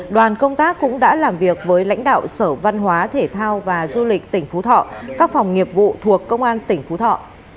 đoàn công tác cũng đã làm việc với lãnh đạo sở văn hóa thể thao và du lịch tỉnh phú thọ các phòng nghiệp vụ thuộc công an tỉnh phú thọ